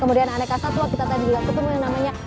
kemudian aneka satwa kita tadi juga ketemu yang namanya